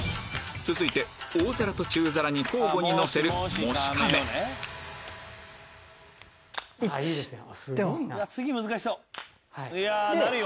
続いて大皿と中皿に交互に乗せるもしかめいいですよ。